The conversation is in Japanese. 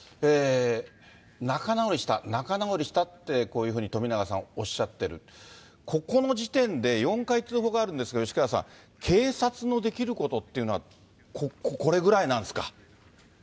仲直りした、仲直りしたって、こういうふうに冨永さんおっしゃっている、ここの時点で４回通報があるんですけど、吉川さん、警察のできることっていうのはこれぐらいなんですか？